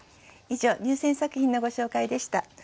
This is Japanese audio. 以上入選作品のご紹介でした。